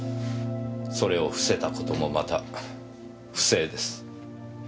それをふせた事もまた不正です。